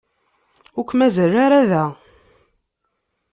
Ur k-mazal ara da.